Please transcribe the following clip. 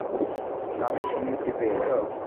স্বামীর সম্মতি পেয়েছ?